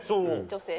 女性。